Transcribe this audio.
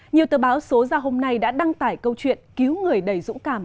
nhiều tờ báo số ra hôm nay đã đăng tải câu chuyện cứu người đầy dũng cảm